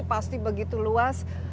pasti begitu luas